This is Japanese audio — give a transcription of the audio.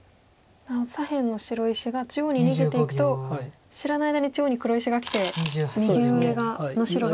左辺の白石が中央に逃げていくと知らない間に中央に黒石がきて右上の白が。